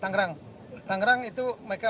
tangerang tangerang itu mereka